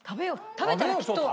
食べたらきっと。